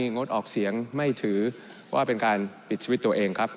งดออกเสียงไม่ถือว่าเป็นการปิดชีวิตตัวเองครับ